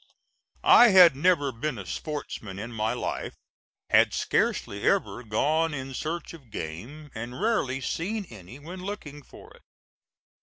I had never been a sportsman in my life; had scarcely ever gone in search of game, and rarely seen any when looking for it.